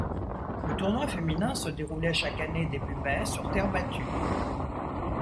Le tournoi féminin se déroulait chaque année début mai, sur terre battue.